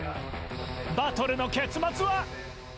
バトルの結末は？